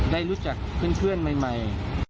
ได้รู้จักเพื่อนใหม่